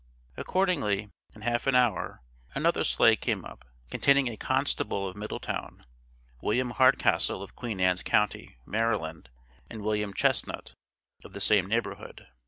Accordingly, in half an hour, another sleigh came up, containing a constable of Middletown, William Hardcastle, of Queen Ann's county, Maryland, and William Chesnut, of the same neighborhood.